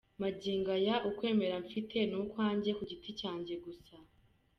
Magingo aya ukwemera mfite ni ukwanjye ku giti cyanjye gusa.